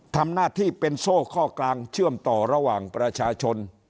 ทำหน้าที่เป็นโซ่ข้อกลางเชื่อมต่อระหว่างประชาชน